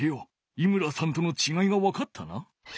井村さんとのちがいがわかったな？